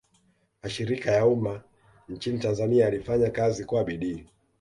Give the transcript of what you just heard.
mashirika ya umma nchini tanzania yalifanya kazi kwa bidii